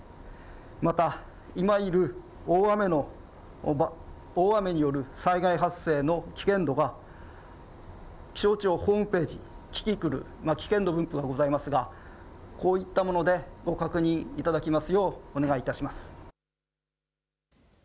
また、今いる大雨による災害発生の危険度が、気象庁ホームページ、キキクル、危険度分布がございますが、こういったものでご確認いただきますよう、お願いいたします。